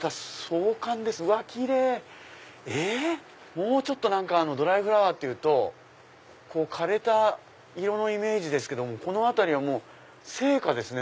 もうちょっとドライフラワーっていうと枯れた色のイメージですけどこの辺りは生花ですね